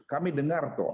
kami dengar toh